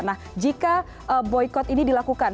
nah jika boykot ini dilakukan